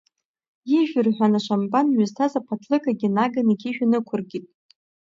Ижә рҳәан ашампанҩы зҭаз аԥатлыкагьы наган иқьышә инықәыркит.